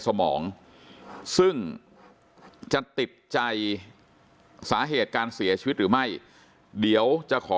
สมองซึ่งจะติดใจสาเหตุการเสียชีวิตหรือไม่เดี๋ยวจะขอ